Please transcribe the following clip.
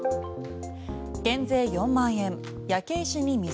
減税４万円、焼け石に水？